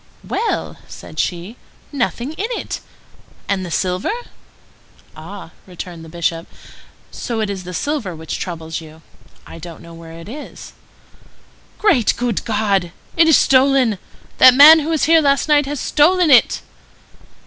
"Well!" said she. "Nothing in it! And the silver?" "Ah," returned the Bishop, "so it is the silver which troubles you? I don't know where it is." "Great, good God! It is stolen! That man who was here last night has stolen it."